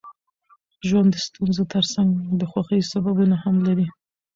ژوند د ستونزو ترڅنګ د خوښۍ سببونه هم لري.